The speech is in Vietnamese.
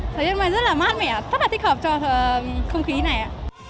thời tiết hôm nay rất là mát mẻ rất là thích hợp cho không khí này ạ